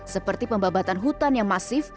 seperti pembabatan hutan yang masif